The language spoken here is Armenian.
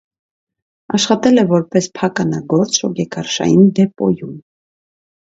Աշխատել է որպես փականագործ շոգեքարշային դեպոյում։